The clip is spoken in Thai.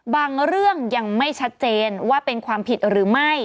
เรื่องยังไม่ชัดเจนว่าเป็นความผิดหรือไม่